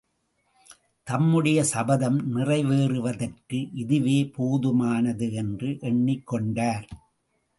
தம்முடைய சபதம் நிறைவேறுவதற்கு இதுவே போதுமானது என்று எண்ணிக் கொண்டார்.